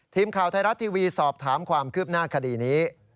ทีมข่าวไทยรัฐทีวีสอบถามความคืบหน้าคดีนี้